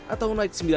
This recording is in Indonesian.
atau naik seminggu